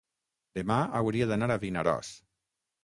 Demà hauria d'anar a Vinaròs.